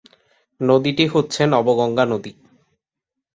নদীটি হচ্ছে নবগঙ্গা নদী।